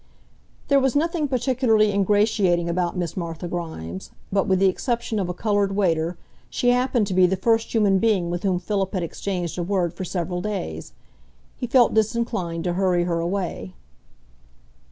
There was nothing particularly ingratiating about Miss Martha Grimes, but, with the exception of a coloured waiter, she happened to be the first human being with whom Philip had exchanged a word for several days. He felt disinclined to hurry her away.